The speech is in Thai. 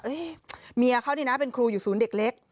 เมียเขานี่นะเป็นครูอยู่ศูนย์เด็กเล็ก